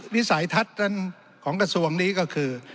วิสัยทัศน์นั้นของกระทรวงนี้ก็คือ